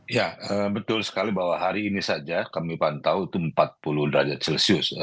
ya betul sekali bahwa hari ini saja kami pantau itu empat puluh derajat celcius